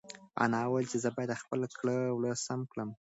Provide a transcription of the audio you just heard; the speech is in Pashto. انا وویل چې زه باید خپل کړه وړه سم کړم.